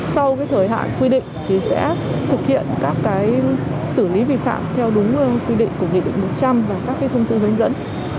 sau cái thời hạn quy định thì sẽ thực hiện các cái xử lý vi phạm theo đúng quy định của nghị định một và các cái thông tin hướng dẫn